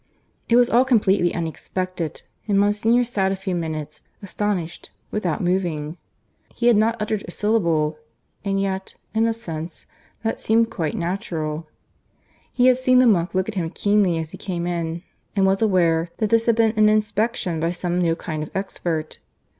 It was all completely unexpected, and Monsignor sat a few minutes, astonished, without moving. He had not uttered a syllable; and yet, in a sense, that seemed quite natural. He had seen the monk look at him keenly as he came in, and was aware that this had been an inspection by some new kind of expert.